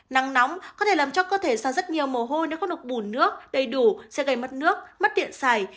nắng nóng có thể làm cho cơ thể xa rất nhiều mồ hôi nếu có nục bùn nước đầy đủ sẽ gây mất nước mất điện xảy